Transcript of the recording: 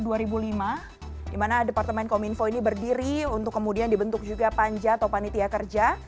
di mana departemen kominfo ini berdiri untuk kemudian dibentuk juga panja atau panitia kerja